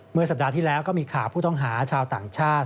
สัปดาห์ที่แล้วก็มีข่าวผู้ต้องหาชาวต่างชาติ